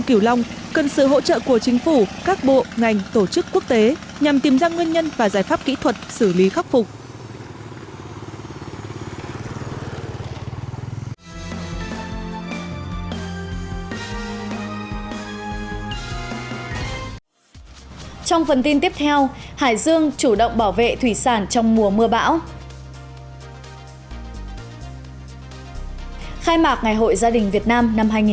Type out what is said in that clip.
khai mạc ngày hội gia đình việt nam năm hai nghìn một mươi bảy